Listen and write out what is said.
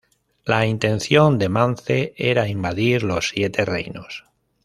La intención de Mance era invadir los Siete Reinos.